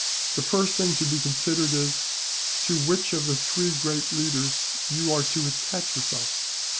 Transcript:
The first thing to be considered is, to which of the three great leaders you are to attach yourself.